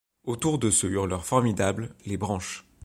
Autour de ce hurleur formidable, les branches